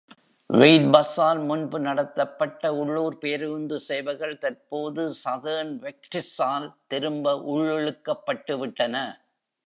Wightbus-ஆல் முன்பு நடத்தப்பட்ட உள்ளூர் பேருந்து சேவைகள் தற்போது Southern Vectis-ஆல் திரும்ப உள்ளிழுக்கப்பட்டுவிட்டன.